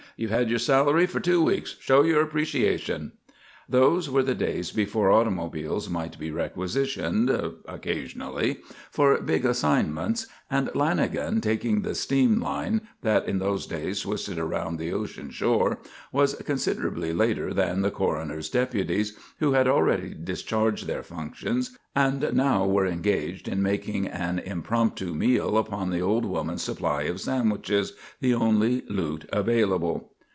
"You've had your salary for two weeks. Show your appreciation." Those were the days before automobiles might be requisitioned occasionally for big assignments, and Lanagan, taking the steam line that in those days twisted around the ocean shore, was considerably later than the coroner's deputies, who had already discharged their functions and now were engaged in making an impromptu meal upon the old woman's supply of sandwiches, the only loot available.